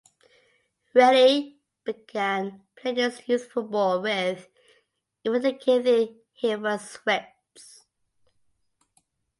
Rennie began playing his youth football with Inverkeithing Hillfield Swifts.